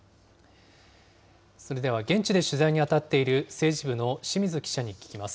それでは現地で取材に当たっている政治部の清水記者に聞きます。